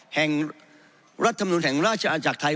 แห่งรัฐธรรมนุนแห่งราชอาจักรไทย